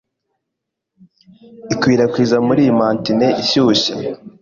ikwirakwiza Muri iyi mantine ishyushye